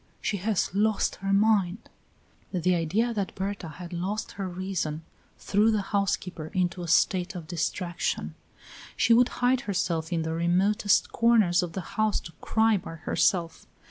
She has lost her mind!" The idea that Berta had lost her reason threw the housekeeper into a state of distraction. She would hide herself in the remotest corners of the house to cry by herself.